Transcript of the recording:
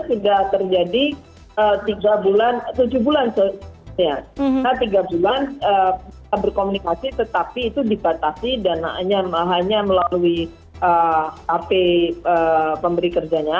kita terjadi tujuh bulan tiga bulan berkomunikasi tetapi itu dibatasi dananya hanya melalui hp pemberi kerjanya